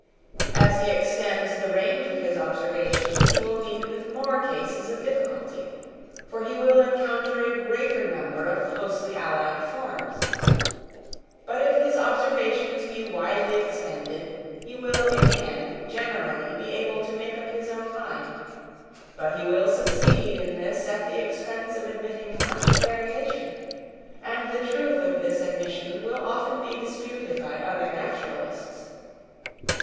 As he extends the range of his observations he will meet with more cases of difficulty; for he will encounter a greater number of closely allied forms. But if his observations be widely extended he will in the end generally be able to make up his own mind; but he will succeed in this at the expense of admitting much variation, and the truth of this admission will often be disputed by other naturalists.